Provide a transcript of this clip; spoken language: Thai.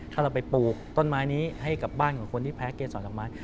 ถ้าเราไปปลูกต้นไม้นี้ให้กับบ้านของคนที่แพ้เกษรดอกไม้